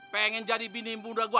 pengen jadi bini ibu undang gue